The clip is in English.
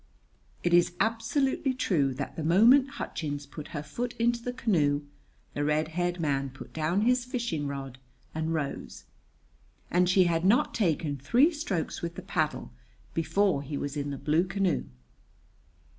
It is absolutely true that the moment Hutchins put her foot into the canoe the red haired man put down his fishing rod and rose. And she had not taken three strokes with the paddle before he was in the blue canoe.